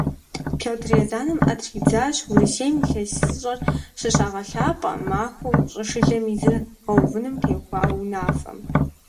Пётр Езанэм Ӏэ тридзащ Урысейм ИлъэсыщӀэр щыщагъэлъапӀэ махуэу щӀышылэм и зыр гъэувыным теухуа унафэм.